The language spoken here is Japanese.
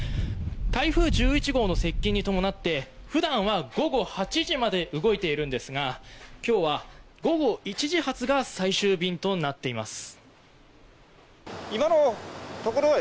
台風１１号の接近に伴って普段は午後８時まで動いているんですが今日は午後１時発が最終便となっています。